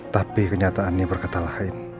tapi kenyataannya berkata lain